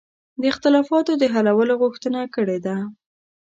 د اختلافاتو د حلولو غوښتنه کړې ده.